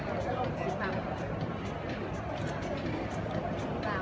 มันเป็นสิ่งที่จะให้ทุกคนรู้สึกว่า